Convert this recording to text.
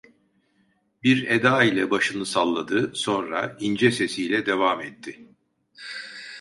Bir eda ile başını salladı, sonra ince sesiyle devam etti.